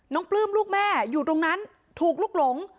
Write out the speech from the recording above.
ปลื้มลูกแม่อยู่ตรงนั้นถูกลุกหลง